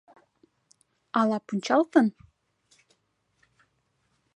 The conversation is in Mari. — Ала пунчалтын?